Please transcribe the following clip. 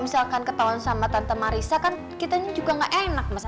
misalkan ketahuan sama tante marissa kan kita ini juga nggak enak mas